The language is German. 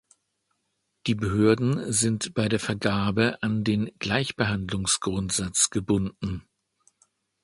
Die Behörden sind bei der Vergabe an den Gleichbehandlungsgrundsatz gebunden.